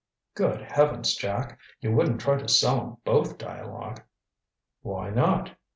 "Good heavens, Jack! You wouldn't try to sell 'em both dialogue?" "Why not?